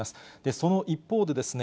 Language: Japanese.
その一方でですね、